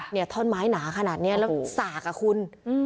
ท่อนไม้หนาขนาดนี้แล้วสากอ่ะคุณ